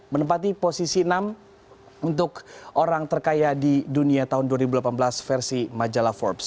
menempati posisi enam untuk orang terkaya di dunia tahun dua ribu delapan belas versi majalah forbes